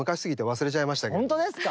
本当ですか？